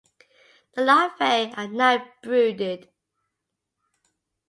The larvae are not brooded.